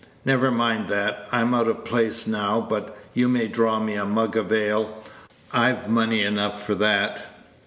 Never mind that; I'm out of place now, but you may draw me a mug of ale; I've money enough for that."